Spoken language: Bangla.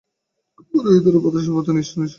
পৌরোহিত্য-প্রথা স্বভাবতই নিষ্ঠুর ও নিষ্করুণ।